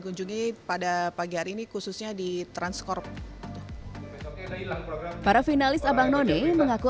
kunjungi pada pagi hari ini khususnya di transcorp para finalis abang none mengaku